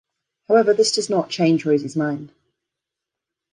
However, this does not change Rosie's mind.